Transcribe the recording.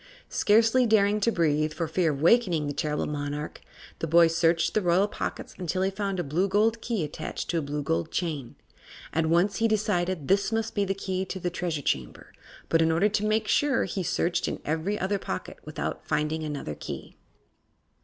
Scarcely daring to breathe, for fear of awakening the terrible monarch, the boy searched in the royal pockets until he found a blue gold key attached to a blue gold chain. At once he decided this must be the key to the Treasure Chamber, but in order to make sure he searched in every other pocket without finding another key.